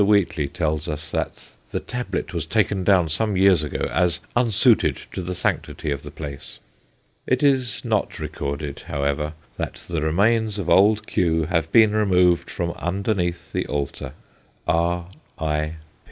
Wheatley tells us that ' the tablet was taken down some years ago as unsuited to the sanctity of the place.' It is not recorded, however, that the remains of Old Q. have been removed from underneath the altar. B.I.